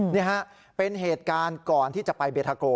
นี่ฮะเป็นเหตุการณ์ก่อนที่จะไปเบทาโก